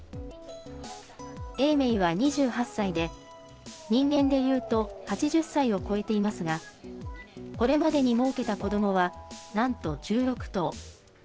永明は２８歳で、人間でいうと８０歳を超えていますが、これまでにもうけた子どもは、なんと１６頭。